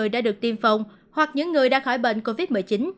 đã được tiêm phòng hoặc những người đã khỏi bệnh covid một mươi chín